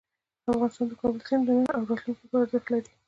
افغانستان کې د کابل سیند د نن او راتلونکي لپاره ارزښت لري.